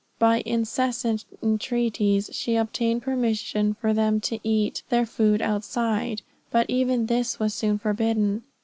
By incessant intreaties, she obtained permission for them to eat their food outside, but even this was soon forbidden.